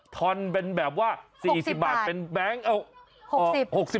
อนเป็นแบบว่า๔๐บาทเป็นแบงค์เอา